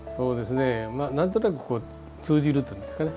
なんとなく通じるというんですかね。